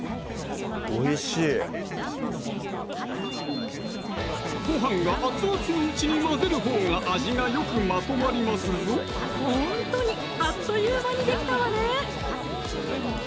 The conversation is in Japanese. おいしいご飯が熱々のうちに混ぜるほうが味がよくまとまりますぞほんとにあっという間にできたわね